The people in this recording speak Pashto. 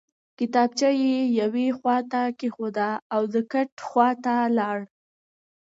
کتابچه یې یوې خواته کېښوده او د کټ خواته لاړ